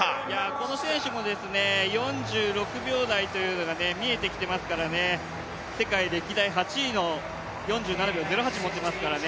この選手も４６秒台というのが見えてきていますからね、世界歴代８位の４７秒０８持ってますからね